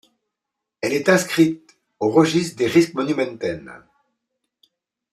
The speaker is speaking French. Elle est inscrite au registre des Rijksmonumenten.